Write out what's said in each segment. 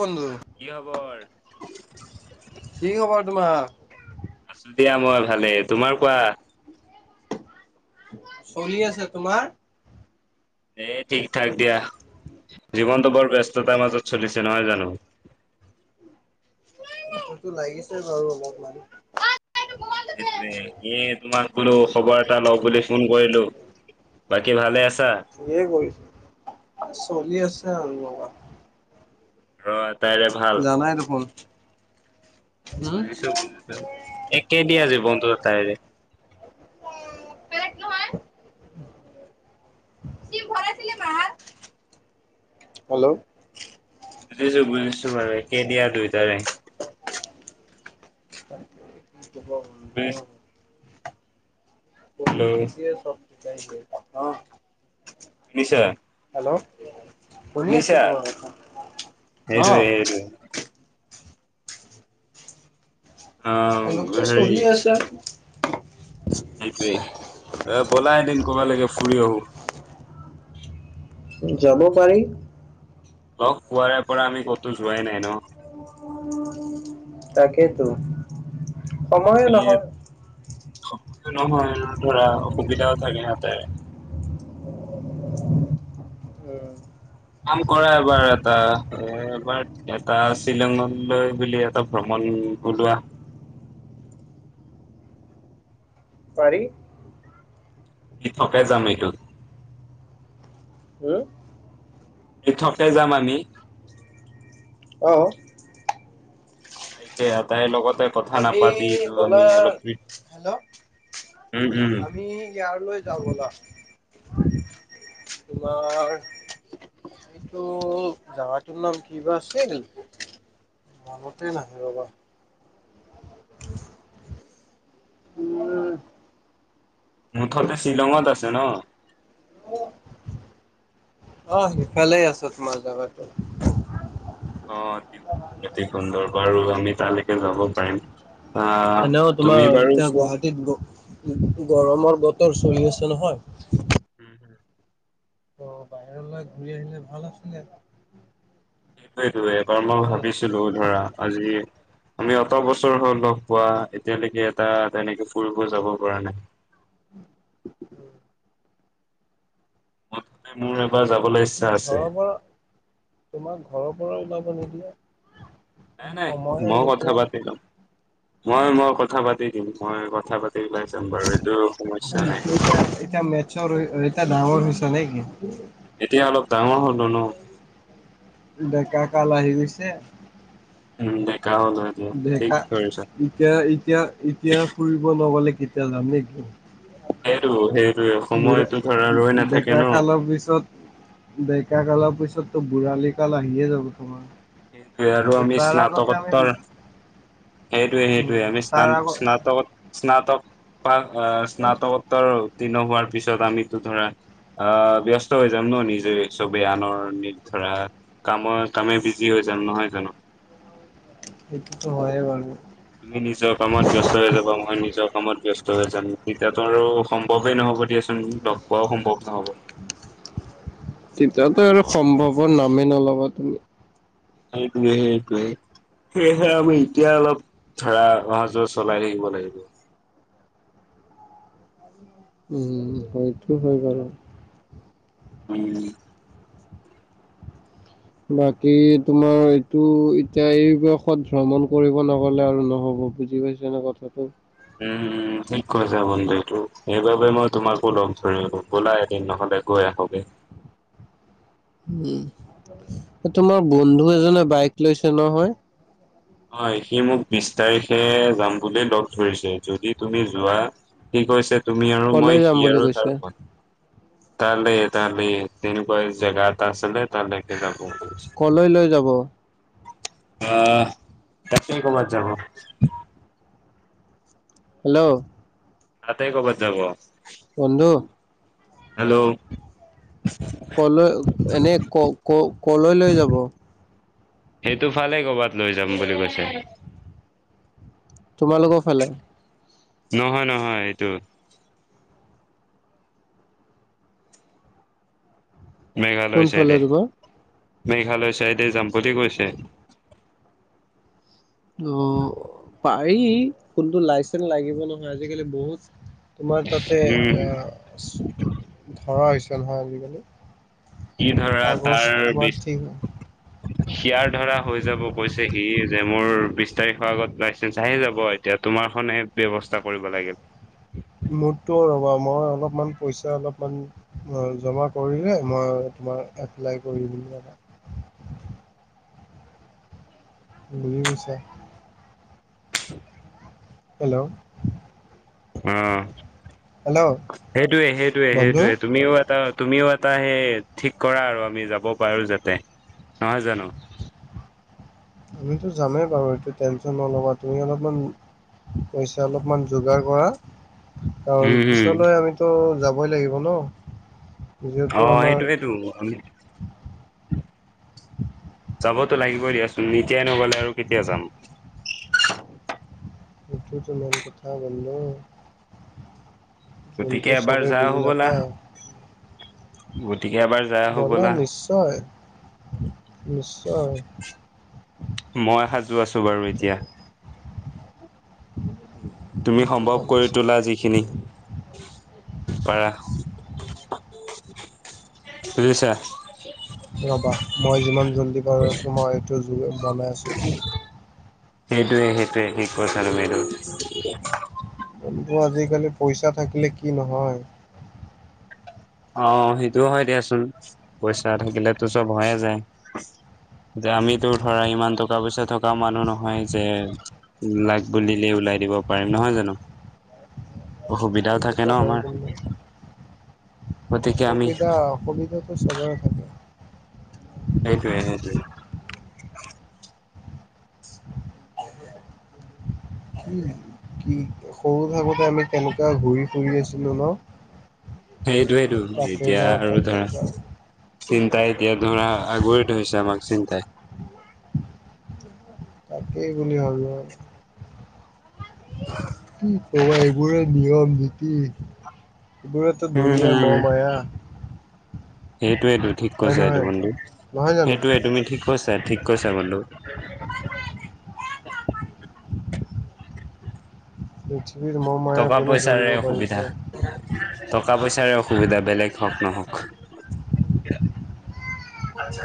বন্ধু, কি খবৰ? কি খবৰ তোমাৰ? আছো দিয়া মই ভালে তোমাৰ কোৱা চলি আছে তোমাৰ এ ঠিক থাক দিয়া। জীৱনটো বৰ ব্যস্ততাৰ মাজত চলিছে নহয় জানো [unintelligible] সেইটো লাগিছে বাৰু অলপমান [unintelligible] সেইটোয়ে এনে তোমাৰ বলো খবৰ এটা লওঁ বুলি ফোন কৰিলো বাকী ভালে আছা আজি এ গ'ল চলি আছে আৰু অলপ ৰ আতাইৰে ভাল দেখোন। হুম বুজিছো বুজিছো একে দিয়া জীৱনটো তাইৰে বেলেগ নহয় কি কৈছা? হেল্লো বুজিছো বুজিছো মানে একে দিয়া দুইটাৰে উপায় নাই কি ক'ব বন্ধু। হেল্ল' পৰিস্থিতিয়েই চব সিকাই দিয়ে ন শুনিছা আছো শুনিছা? তোমাৰ কথা। অ' সেইটোৱে সেইটোৱে। অ এনো কেছ চলি আছে। সেইটোৱেই এ ব'লা এদিন কৰবী লৈকে ফুৰি আহো যাব পাৰি। লগ পোৱাৰে পৰা আমি ক'তো যোৱাই নাই ন? তাকেইতো সময়ে নহয়। সময়ো নহয় ধৰা অসুবিধাও থাকে হাতে। উম কাম কৰা এবাৰ এটা। এ এবাৰ এটা শ্বিলঙলৈ বুলি এটা ভ্ৰমণ উম, [unintelligible] পাৰি। [unintelligible] থকে যাম এইটোত। উম। এই থকে যাম আমি। [unintelligible] [unintelligible] আটাই লগতে। কথা আমি নাপাতি এইটো আমি গ'লে, অলপ হেল্ল'। উম উম আমি ইয়াৰ লৈ যাওঁ ব'লা। তোমাৰ এইটো জাগাটোৰ নাম কি বা আছিল। মনতে নাহে বাবা। [inaudible] [inaudible] মুঠতে শ্বিলঙত আছে ন। অ', সিফালে আছো তোমাৰ জগাতে। অ' অতি সুন্দৰ- অতি সুন্দৰ বাৰু আমি তালেকে যাব পাৰিম। আহ এনেও তুমি তোমাৰ বাৰু এতিয়া গুৱাহাটীত গৰমৰ বতৰ চলি আছে নহয়। উম হম। অ' বাহিৰলে ঘূৰি আহিলে ভাল আছিলে। সেইটোৱেতো এবাৰ মই নহয় জানো? ভাবিছিলো ধৰা আজি আমি কত বছৰ হ'ল লগ পোৱা এতিয়ালৈকে এটা তেনেকে ফুৰিব যাব পৰা নাই। [inaudible] [unintelligible] ইচ্ছা আছে। ঘৰৰ পৰা তোমাক ঘৰৰ পৰা ওলাব নিদিয়ে। নাই- তুমি নাই সময় মই কথা নোপোৱা। পাতি ল'ম মই- মই কথা পাতি দিম মই ক নাই এতিয়া মেটচত এতিয়া ডাঙৰ হৈছ [unintelligible] এতিয়া অলপ ডাঙৰ হ'লো ন। ডেকা কাল আহি গৈছে। উম ডেকা হলো এতিয়া ঠিক ঢেকা কৰিছা এতিয়া এতিয়া-এতিয়া ফুৰিব নগ'লে কেত [unintelligible] সেইটো, সেই বুঢ়া ডেকা কালৰ পিছত [unintelligible] কালৰ পিছতো বুঢ়ালি কাল আহিয়ে যাব তোমাৰ। সেইটোৱে আৰু আমি তাৰ আগতে আমি স্নাতকোত্তৰ সেইটোয়ে- উম সেইটোয়ে আমি তাৰ স্নান আগত স্নাতকত স্নাতক তাৰ আ স্নাতকোত্তৰ উত্তীৰ্ণ হোৱাৰ পিছত আমিতো ধৰা আ ব্যস্ত হৈ যাম ন নিজে চবেই আনৰ নি ধৰা। কামৰ কামে বিজি হৈ যাম নহয় জানো। সেইটোতো হয় বাৰু। তুমি নিজৰ কামত ব্যস্ত হৈ যাবা মই নিজৰ কামত ব্যস্ত হৈ যাম তেতিয়াটো আৰু সম কবেই নহ'ব দিয়াচোন লগ পোৱাও সম্ভৱ নহ'ব। তেতিয়াতো আৰু সম্ভৱৰ নামেই নল'বা তুমি। সেইটোৱে, সেইটোৱে। সেয়েহে আমি এতিয়া অলপ ধৰাা অহা যোৱা চলাই থাকিব লাগিব। উ হেইটো হৈ বাৰু। [inaudible] বাকী তোমাৰ এইটো এতিয়া এই বয়সত ভ্ৰমণ কৰিব নগ'লে আৰু নহ অ' বুজি পাইছা নে কথাটো? উম ঠিক কৈছা বন্ধুটো। সেইবাবে মই তোমাকো লগ ধৰিলো ব'লা এদিন নহ'লে গ [unintelligible] উ, অ' তোমাৰ বন্ধু এজনে বাইক লৈছে নহয়। অ' সি মোক বিছ তাৰিখে যাম বুলি লগ ধৰিছে। যদি তুমি যোৱা সি কৈছে তুমি আৰু কলৈ মই যাম সি বুলি আৰু কৈছে? তাৰ ভন তালে, তালে এনেকুৱা জেগা এটা আছিলে তালেকে যাব বুলি কৈছে। ক'লৈ লৈ যাব? আহ কাচেই কবাত যাব। হেল্ল'। ততেই ক'বাত যাব। বন্ধ হেল্ল'। কলৈ এনেই ক-ক কলৈ লৈ যাব। সেইটো ফালে ক'বাত লৈ যাম বুলি কৈছে। তোমালোকৰ ফালে। নহয় নহয় এইটো। মেঘালয় কোনফালে চাইডে তোমাৰ? মেঘালয় চাইডে যাম বুলি কৈছে। অ' পাৰি, কোনটো লাইচেন্স লাগিব নহয় আজিকালি বহুত তোমাৰ তাতে উম এ, ধৰা হৈছে নহয় আজিকালি। সি ধৰা কাগজ তাৰ তোমাৰ বিছ ঠিক সিয়াৰ ধৰা হৈ যাব কৈছে ই যে মোৰ বিছ তাৰিখৰ আগত লাইচেন্স আহি যাব এতিয়া তোমাৰখনহে ব্যৱস্থা কৰিব লাগিল। মোৰটো ৰ'বা, মই অলপমান পইচা অলপমান জমা কৰিলে মই তোমাৰ এপ্লাই কৰিম বুলি জানা। [inaudible] দেইয়ে হইছে। হেল্ল'। অ' হেল্ল' হেটোৱে, হেটোৱে, বন্ধু হেটোৱে তুমিও এটা তুমিও এটা হেই ঠিক কৰাঁ আৰু আমি যাব পাৰোঁ যাতে। নহয় জানো? আমিতো যামেই বাৰু এইটো টেনচন নল'বা তুমি অলপমান পইছা অলপমান যোগাৰ কৰা। কাৰণ উম হম পিছলৈ আমিতো যাবই লাগিব ন। যিহেতু অ' আমাৰ হেটোৱেটো আমি যাবতো লাগিব দিয়াচোন। এতিয়াই নগ'লে আৰু কেতিয়া যাম। নুঠু তোমাৰ কথা বন্নু। গতিকে এবাৰ যা আহো ব'লা। ব'লা নিশ্চয়, নিশ্চয়। মই সাজু আছো বাৰু এতিয়া তুমি সেইটো সম্ভৱ কৰি ভাবিছো তোলা যিখিনি পাৰা। বুজিছা? ৰ'বা মই যিমান জল্দি পাৰো আছোঁ মই এইটো জুয়ে বনাই আছোঁ ৰ'বা। সেইটোৱে, সেইটোৱে, ঠিক কইছা তুমি এটো। কিন্তু আজিকালি পইচা থাকিলে কি নহয়। অ' হেটোও হয় দিয়াচোন, পইচা থাকিলেতো চব হয়ে যায়। যে আমিতো ধৰা ইমান টকা পইচা থকা মানুহ নহয় যে লাগ বুলিলেই ওলাই দিব পাৰিম নহয় জানো, অসুবিধাও থাকে। সেইটোতো ন হয় আমাৰ বুলি গতিকে আমি অসুবিধা অসুবিধাটো চবৰে থাকে। সেইটোৱে সেইটোৱেই। কি কি সৰু থাকোতে আমি কেনেকুৱা ঘূৰি ফুৰি আছিলো ন'। সেইটোৱেইটো তাতে এতিয়া যাওঁ আৰু তাতে ধৰা যাওঁ চিন্তাই এতিয়া ধৰা আগুৰি ধৰিছে আমাক চিন্তাই। তাকেই বুলি ভাবি [unintelligible] এইবোৰে নিয়ম নীতি এইবোৰেতো উম দুুনীয়াৰ মহ মায়া। সেইটোৱেটো ঠিক হয় কৈছা এইটো নহয় বন্ধু নহয় জানো সেইটোয়ে তুমি ঠিক কৈছা ঠিক। কৈছা বন্ধু পৃথিৱীৰ মহ মায়া টকা কোনে পইচাৰে ধৰিব পাৰিছে অসুবিধা। টকা পইচাৰে অসুবিধা বেলেগ হওঁক নহওঁক।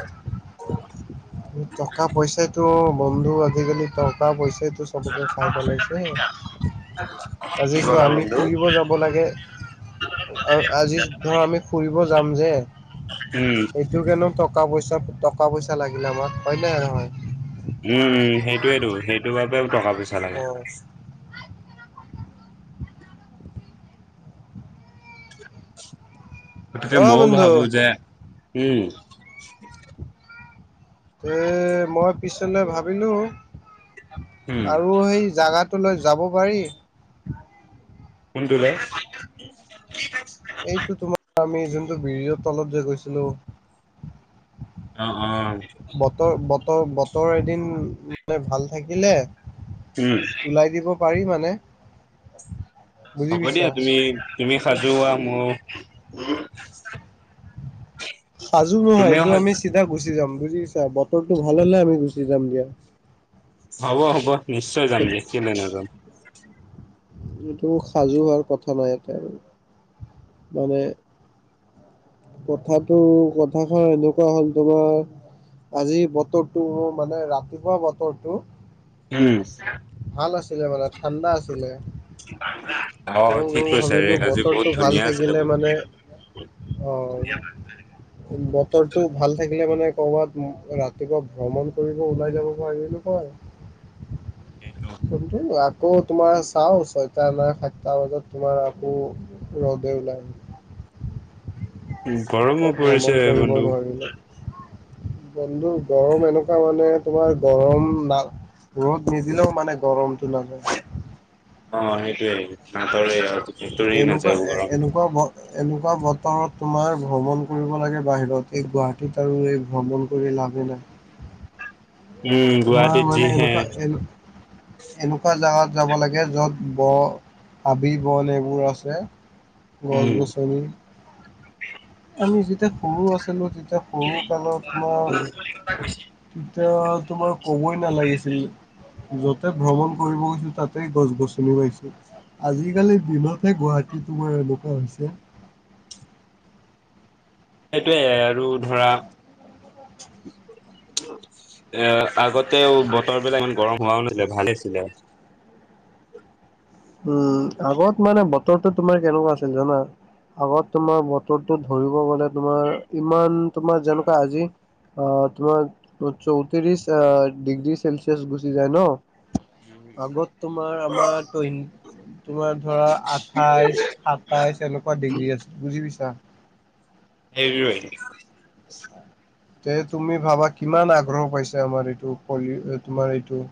[unintelligible] টকা পইচাটো বন্ধু আজিকালি টকা পইচা সেইটো চবকে খাই পেলাইছে। আজি চোৱা গ'লা আমি বন্ধু। ফুৰিব যাব লাগে। আজি ধৰ আমি ফুৰিব যাম যে, উম, এইটো হেনো টকা পইচা চব টকা পইচা লাগিলে আমাক হয়নে নহয়। উম উম, সেইটোয়েইটো সেইটো বাবেও টকা পইচা লাগে। অ', গতিকে অ', মই বন্ধু ভাবো যে, উম। এ মই পিছলে ভাবিলো উম, আৰু সেই জাগাত লৈ যাব পাৰি। [unintelligible] এইটো তোমাৰ আমি যোনটো ব্ৰিজৰ তলত যে গৈছিলোঁ। অ, অ বতৰ বতৰ এদিন মে ভাল থাকিলে উম, উলাই দিব। পাৰি মানে বুজি হ'ব পাইছা দিয়া তুমি তুমি সাজু হোৱা মোৰ সাজু নহয় তুমিও এইটো আমি হ'ব চিধা গুচি যাম। বুজি পাইছা বতৰটো ভাল হ'লে আমি গুচি যাম দিয়া। হ'ব হ'ব নিশ্চয় যাম কিয় নাযাম। এইটো সাজু হোৱাৰ কথা নাই ইটে মানে কথাটো কথাষাৰ এনেকুৱা হ'ল তোমাৰ আজি বতৰটো মানে ৰাতিপুৱা বতৰটো উম, ভাল আছিলে মানে ঠাণ্ডা আছিলে। অ', ঠিক ত'মই কৈছা ৰে ভাবিলো আজি বহুত বতৰটো ভাল ধুনীয়া আছিলে থাকিলে বতৰ। মানে অ', বতৰটো ভাল থাকিলে মানে ক'ৰবাত ৰাতিপুৱা ভ্ৰমণ কৰিব ওলাই যাব পাৰিবি নহয় কিন্তু [unintelligible] আকৌ তোমাৰ চাও ছয়টা না সাতটা বজাত তোমাৰ আকৌ ৰ'দে ওলাই। [inaudible] ত গৰমো পৰিছে ভ্ৰমণ কৰিবই বন্ধু। নোৱাৰিলোঁ। বন্ধু গৰম এনেকুৱা মানে তোমাৰ গৰম না ৰ'দ নিদিলেও মানে গৰমতটো নাযায়। অ, সেইটোৱে [unintelligible] এনেকুৱা এ এনেকুৱা ব এনেকুৱা বতৰত তোমাৰ ভ্ৰমণ কৰিব লাগে বাহিৰত এই গুৱাহাটীত আৰু এই ভ্ৰমণ কৰি লাভ বিনা উম, তোমাৰ গুৱাহাটীত মানে যিহে এনেকুৱা এ এনেকুৱা জাগাত যাব লাগে য'ত ব হাবি বল এইবোৰ আছে গছ উম, গছনি আমি যেতিয়া সৰু আছিলোঁ তেতিয়া সৰু কালত তোমাৰ তেতিয়া তোমাৰ কবই নালাগিছিল যতে ভ্ৰমণ কৰিব গৈছো তাতেই গছ গছনিও পাইছো আজিকালি দিনতহে গুৱাহাটী তোমাৰ এনেকুৱা হৈছে [unintelligible] সেইটয়ে আৰু ধৰা এ আগতে বতৰ বিলাক ইমান গৰম হোৱাও নাছিলে ভাল আছিলে উম আগত মানে বতৰটো তোমাৰ কেনেকুৱা আছিল জানা আগত তোমাৰ বতৰটো ধৰিব গলে তোমাৰ ইমান তোমাৰ যেনেকুৱা আজি অ তোমাৰ চৌত্ৰিশ আহ ডিগ্ৰী চেলচিয়াছ গুচি যায় ন আগত তোমাৰ আমাৰ টইন তোমাৰ ধৰা আঠাইছ সাতাইছ এনেকুৱা ডিগ্ৰী আছে বুজি পাইছা। হৰি [inaudible] তে তুমি ভাবা কিমান আগ্ৰহ পাইছ আমাৰ এইটো কলি তোমাৰ এইটো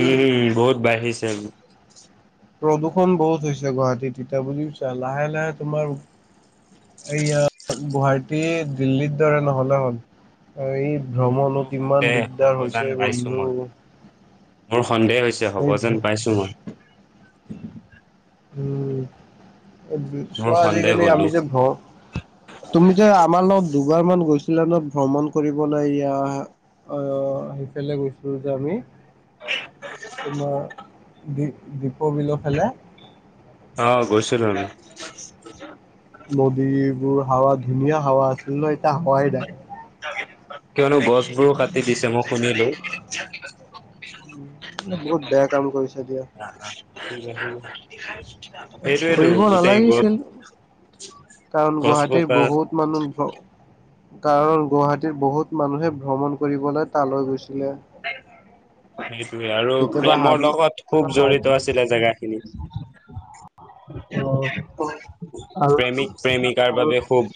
উম বহুত বাঢ়িছে প্ৰদূষণ বহুত হৈছে গুৱাহাটীত এতিয়া বুজি পাইছা ছা লাহে লাহে তোমাৰ এয়াত গুৱাহাটী দিল্লীৰ দৰে নহলে হল এই মোৰতো ভ্ৰমণো কিমান সন্দেহ হ'ব দিগদাৰ যেন হৈছে পাইছো বন্ধু মই। মোৰ সন্দেহ হৈছে হ'ব এই যেন পাইছো মই। হম মোৰ চোৱা সন্দেহ আজিকালি গলো আমি যে ঘৰ তুমি যে আমাৰ লগত দুবাৰ মান গৈছিলে ন ভ্ৰমণ কৰিবলৈ এয়া অ সেইফালে গৈছো যে আমি তোমাৰ দি দীপত বিলৰ ফালে অ', গৈছিলোঁ আমি। নদীবোৰ হাৱা ধুনীয়া হাৱা আছিল ন এয়া হাৱাই নাই কিয়নো গছবোৰো কাটি দিছে মই শুনিলো বহুত বেয়া কাম কৰিছে দিয়া সেই টোৱে টো কৰিব গতে গছ নালাগিছিল কাৰণ গছবোৰ গুৱাহাটীৰ কা বহুত মানুহ কাৰণ গুৱাহাটীত বহুত মানুহে ভ্ৰমণ কৰিবলৈ তালৈ গৈছিলে সেইটোৱে আৰু কেতিয়াবা প্ৰেমৰ হাবি লগত খুব অ', জড়িত আছিলে জেগাখিনি আৰু প্ৰেমিক প্ৰেমিকাৰ বাবে খুব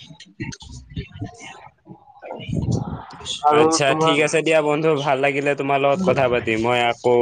আৰু আচ্ছা তোমাৰ ঠিক আছে দিয়া বন্ধু ভাল লাগিলে তোমাৰ লগত কথা পাতি মই আকৌ